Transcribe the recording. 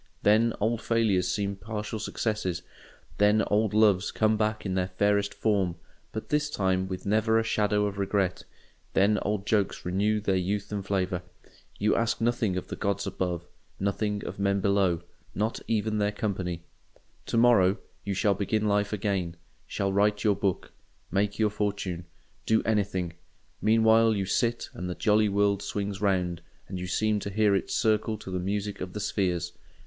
Then old failures seem partial successes, then old loves come back in their fairest form, but this time with never a shadow of regret, then old jokes renew their youth and flavour. You ask nothing of the gods above, nothing of men below—not even their company. To morrow you shall begin life again: shall write your book, make your fortune, do anything; meanwhile you sit, and the jolly world swings round, and you seem to hear it circle to the music of the spheres.